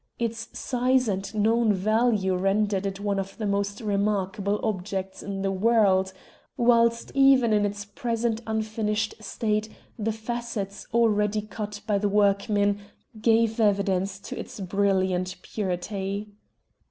Its size and known value rendered it one of the most remarkable objects in the world, whilst even in its present unfinished state the facets already cut by the workmen gave evidence to its brilliant purity.